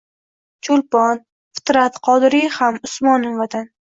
Choʻlpon, Fitrat, Qodiriy ham, Usmonim Vatan.!!!